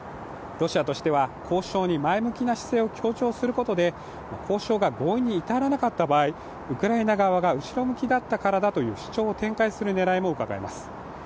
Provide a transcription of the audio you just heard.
ロシアとしては交渉に前向きな姿勢を強調することで交渉が合意に至らなかった場合、ウクライナ側が後ろ向きだったからだという主張を展開する狙いもうかがえます。